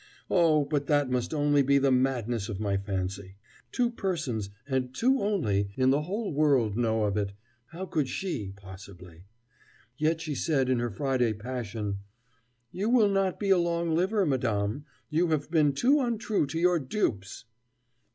Oh, but that must only be the madness of my fancy! Two persons, and two only, in the whole world know of it how could she, possibly? Yet she said in her Friday passion: "You will not be a long liver, Madame, you have been too untrue to your dupes."